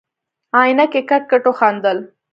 عينکي کټ کټ وخندل.